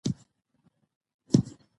مورغاب سیند د افغانستان د اقتصاد یوه برخه ده.